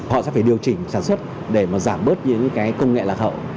họ sẽ phải điều chỉnh sản xuất để mà giảm bớt những cái công nghệ lạc hậu